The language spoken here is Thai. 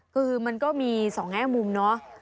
คือมันก็มีสองแง่มุมเนาะ